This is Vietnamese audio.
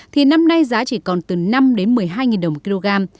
thì năm nay giá chỉ còn từ năm đến một mươi hai đồng một kg